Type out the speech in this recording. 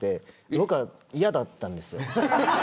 僕は嫌だったんです。